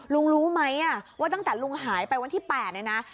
รู้ไหมว่าตั้งแต่ลุงหายไปวันที่๘เนี่ยนะ